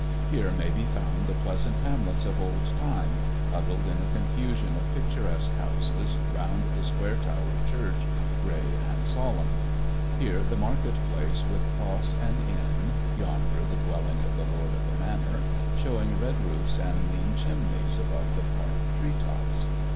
Here may be found the pleasant hamlets of old time, huddled in a confu sion of picturesque houses round the square towered church, grey and solemn. Here the market place with cross and inn, yonder the dwelling of the Lord of the Manor, showing red roofs and lean chimneys above the park tree tops.